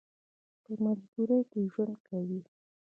په مجبورۍ کې ژوند کوي.